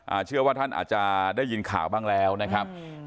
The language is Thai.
เชื่อว่าท่านอาจจะได้ยินข่าวบ้างแล้วนะครับอืม